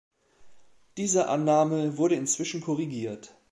Diese Annahme wurde inzwischen korrigiert.